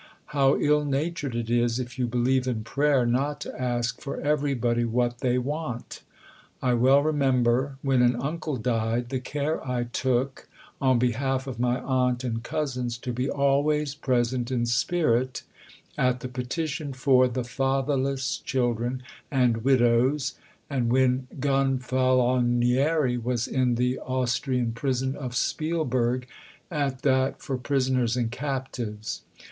How ill natured it is, if you believe in prayer, not to ask for everybody what they want.... I well remember when an uncle died, the care I took, on behalf of my aunt and cousins, to be always present in spirit at the petition for "the fatherless children and widows"; and when Gonfalonieri was in the Austrian prison of Spielberg, at that for "prisoners and captives."